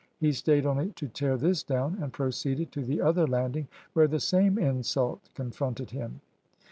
He stayed only to tear this down, and proceeded to the other landing, where the same insult confronted him.